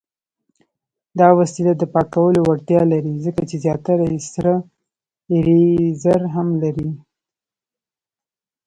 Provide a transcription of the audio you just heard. دا وسیله د پاکولو وړتیا لري، ځکه چې زیاتره یې سره ایریزر هم لري.